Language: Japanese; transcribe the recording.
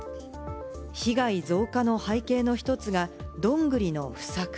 被害増加の背景の一つがどんぐりの不作。